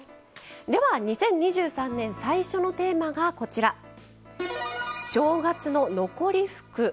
では、２０２３年最初のテーマが「正月の残り福」。